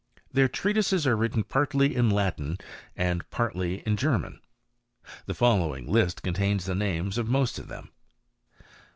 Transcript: Their treatises are written partly in Latin and partly in Qer* man. The following list contains the names of most of them: 1.